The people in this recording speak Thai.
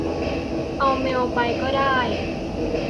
เอาเมล์ไปก้อได้